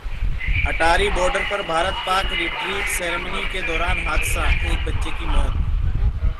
अटारी border पर भारत-पाक retreat ceremony के दौरान हादसा, एक बच्चे की मौत